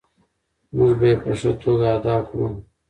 موږ به یې په ښه توګه ادا کړو.